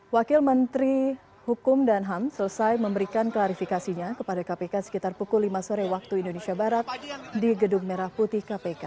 wakil menteri hukum dan ham selesai memberikan klarifikasinya kepada kpk sekitar pukul lima sore waktu indonesia barat di gedung merah putih kpk